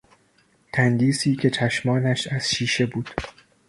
تندیسی که چشمانش از شیشه بود.